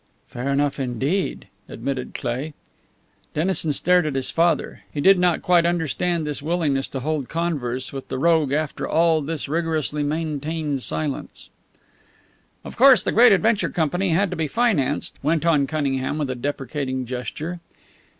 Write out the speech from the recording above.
"Fair enough, indeed," admitted Cleigh. Dennison stared at his father. He did not quite understand this willingness to hold converse with the rogue after all this rigorously maintained silence. "Of course the Great Adventure Company had to be financed," went on Cunningham with a deprecating gesture.